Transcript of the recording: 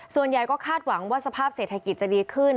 ส่วนใหญ่ก็คาดหวังว่าสภาพเศรษฐกิจจะดีขึ้น